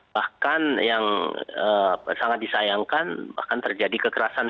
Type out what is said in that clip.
bahkan yang sangat disayangkan bahkan terjadi kekerasan